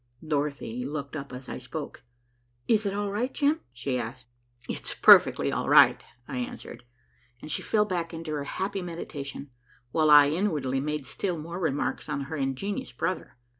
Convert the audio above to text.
Dorothy looked up as I spoke. "Is it all right, Jim?" she asked. "It is perfectly all right," I answered, and she fell back into her happy meditation, while I inwardly made still more remarks on her ingenious brother.